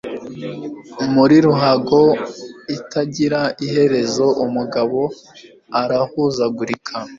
muri ruhago itagira iherezo umugabo arahuzagurika